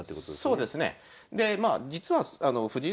そうですね。